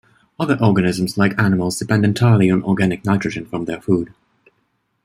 Other organisms, like animals, depend entirely on organic nitrogen from their food.